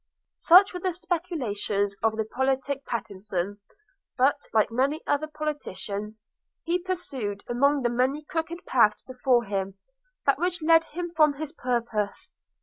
Such were the speculations of the politic Pattenson; but, like many other politicians, he pursued, among the many crooked paths before him, that which led him from his purpose.